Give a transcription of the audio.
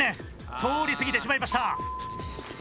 通り過ぎてしまいました。